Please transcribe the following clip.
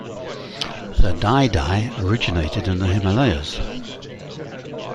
The daidai originated in the Himalayas.